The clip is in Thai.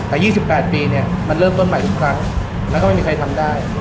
แต่๒๘ปีเนี่ยมันเริ่มต้นใหม่ทุกครั้งแล้วก็ไม่มีใครทำได้